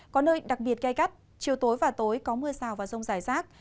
có nơi đặc biệt cay cắt chiều tối và tối có mưa rào và rông rải rác